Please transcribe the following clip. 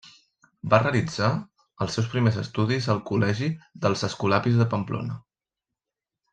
Va realitzar els seus primers estudis al col·legi dels Escolapis de Pamplona.